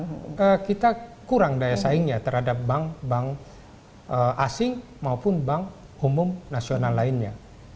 karena kita kurang daya saingnya terhadap bank bank asing maupun bank umum nasional lainnya